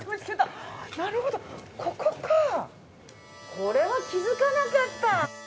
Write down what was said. これは気づかなかった！